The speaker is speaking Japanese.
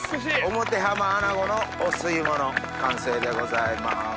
表浜アナゴのお吸い物完成でございます。